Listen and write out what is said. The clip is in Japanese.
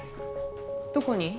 どこに？